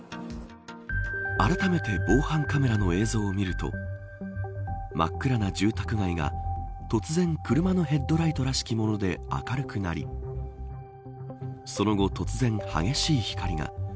あらためて防犯カメラの映像を見ると真っ暗な住宅街が突然、車のヘッドライトらしきもので明るくなりその後、突然、激しい光が。